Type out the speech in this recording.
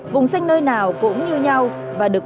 vùng xanh nơi nào cũng như nhau